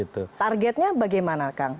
targetnya bagaimana kang